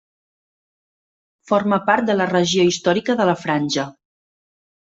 Forma part de la regió històrica de la Franja.